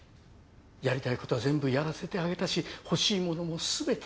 やりたいことは全部やらせてあげたし欲しいものもすべて。